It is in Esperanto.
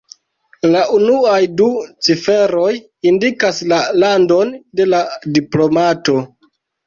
La unuaj du ciferoj indikas la landon de la diplomato.